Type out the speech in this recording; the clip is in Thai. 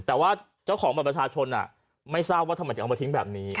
แต่ว่าเจ้าของบัตรประชาชนไม่ทราบว่าทำไมถึงเอามาทิ้งแบบนี้